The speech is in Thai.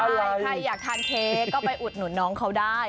ใครอยากทานเค้กก็ไปอุดหนุนน้องเขาได้